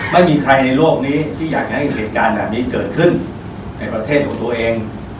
ไม่มีใครในโลกนี้ที่อยากจะให้เหตุการณ์แบบนี้เกิดขึ้นในประเทศของตัวเอง